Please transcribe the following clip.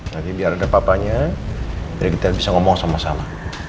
nanti biar ada papanya jadi kita bisa ngomong sama sama